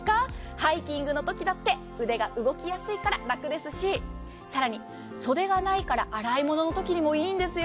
ハイキングのときだって腕が動きやすいから楽ですしさらに袖がないから洗い物のときにもいいんですよ。